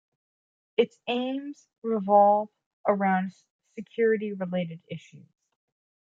Its aims revolve around security-related issues.